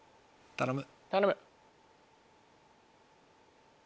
頼む。